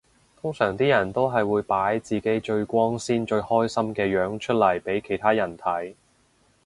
通常啲人都係會擺自己最光鮮最開心嘅樣出嚟俾其他人睇